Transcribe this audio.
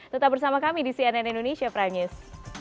tetap bersama kami di cnn indonesia prime news